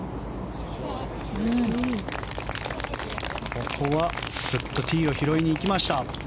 ここはすっとティーを拾いに行きました。